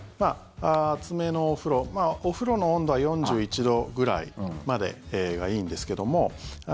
熱めのお風呂お風呂の温度は４１度ぐらいまでがいいんですけれども。